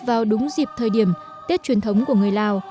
vào đúng dịp thời điểm tết truyền thống của người lào